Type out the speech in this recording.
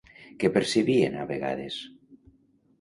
Què percebien a vegades?